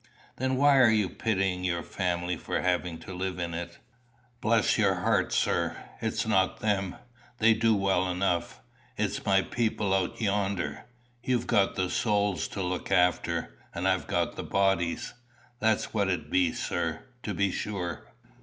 "Then why are you pitying your family for having to live in it?" "Bless your heart, sir! It's not them. They du well enough. It's my people out yonder. You've got the souls to look after, and I've got the bodies. That's what it be, sir. To be sure!"